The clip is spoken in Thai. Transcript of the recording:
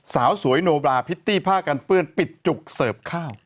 สาวสวยโนบราพิตตี้ผ้ากันเปื้อนปิดจุกเสิร์ฟข้าว